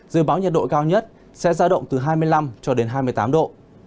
dự báo nhiệt độ cao nhất sẽ ra động từ hai mươi năm cho đến hai mươi tám độ